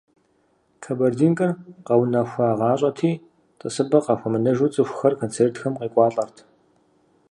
«Кабардинкэр» къэунэхуагъащӀэти, тӀысыпӀэ къахуэмынэжу цӀыхухэр концертхэм къекӀуалӀэрт.